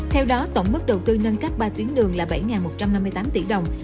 theo đó tổng mức đầu tư nâng cấp ba tuyến đường là bảy một trăm năm mươi tám tỷ đồng